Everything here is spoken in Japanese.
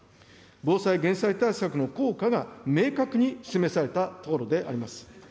防災・減災対策の効果が明確に示されたところであります。